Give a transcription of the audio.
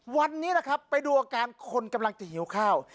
วันนี้นะครับไปดูอาการคนกำลังจะหิวข้าว